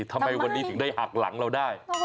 ทำไมวันนี้ถึงได้หักหลังเราได้